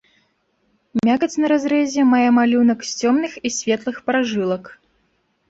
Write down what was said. Мякаць на разрэзе мае малюнак з цёмных і светлых пражылак.